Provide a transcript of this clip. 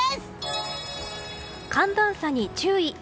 寒暖差に注意。